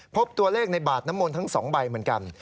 พบตัวเลขในบาดน้ำมนต์ทั้ง๒ใบเหมือนกัน